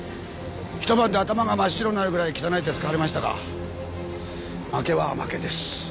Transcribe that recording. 一晩で頭が真っ白になるぐらい汚い手を使われましたが負けは負けです。